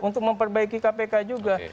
untuk memperbaiki kpk juga